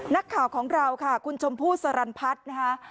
นักข่าวของเราค่ะคุณชมพู่สรรพัฒน์นะคะ